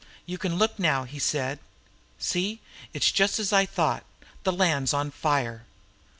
"You can look now," he said. "See. it's just as I thought! The land's on fire!"